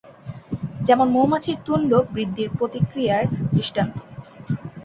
যেমন মৌমাছির তুণ্ড বৃদ্ধির প্রতিক্রিয়ার দৃষ্টান্ত।